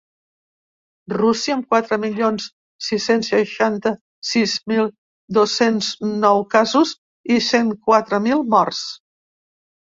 Rússia, amb quatre milions sis-cents seixanta-sis mil dos-cents nou casos i cent quatre mil morts.